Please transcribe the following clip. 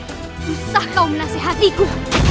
usah kau menasihatiku